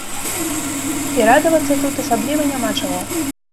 І радавацца тут асабліва няма чаго.